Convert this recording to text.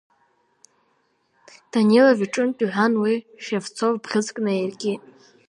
Данилов иҿынтә, — иҳәан, уи Шевцов бӷьыцк наииркит.